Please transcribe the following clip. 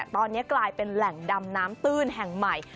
ตอนนี้กลายเป็นแหล่งดำน้ำตื้นแห่งใหม่